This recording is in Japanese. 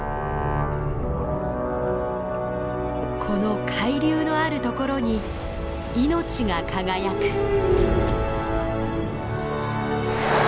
この海流のあるところに命が輝く。